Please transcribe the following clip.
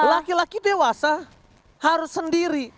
laki laki dewasa harus sendiri